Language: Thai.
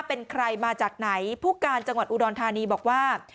เป็นใครมาจากไหนผู้การจังหวัดอุดรธานีบอกว่า